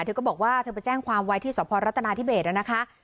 เธอก็บอกว่าเธอไปแจ้งความไว้ที่สพรัฐนาธิเบสนะคะ